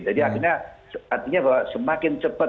jadi akhirnya artinya bahwa semakin cepat